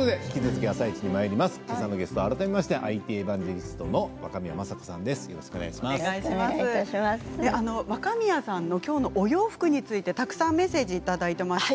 けさのゲストは改めましてＩＴエバンジェリストの若宮さんのきょうの洋服についてたくさんメッセージをいただいています。